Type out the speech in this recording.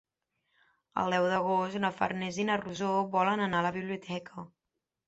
El deu d'agost na Farners i na Rosó volen anar a la biblioteca.